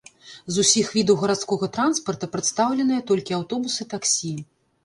З усіх відаў гарадскога транспарта прадстаўленыя толькі аўтобус і таксі.